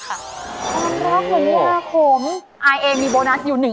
ความรักเหมือนยาขมอายเองมีโบนัสอยู่๑คะแนน